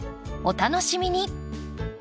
お楽しみに。